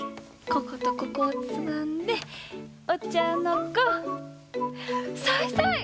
こことここをつまんでお茶の子さいさい！